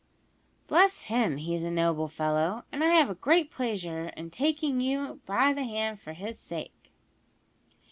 "Bless him; he is a noble fellow, and I have great pleasure in taking you by the hand for his sake."